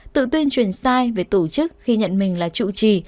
tự tuyên truyền sai về tổ chức khi nhận mình là chủ trì